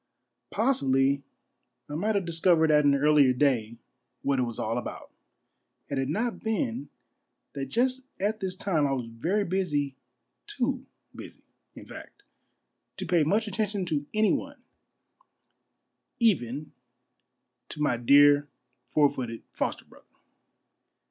Possibly I might have discovered at an earlier day what it was all about, had it not been that just at this time I was very busy, too busy, in fact, to pay much attention to any one, even o A MARVELLOUS UNDERGROUND JOURNEY to my dear four footed foster brother.